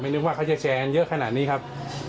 นึกว่าเขาจะแชร์กันเยอะขนาดนี้ครับ